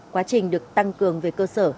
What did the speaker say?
quá trình được tăng cường về cơ sở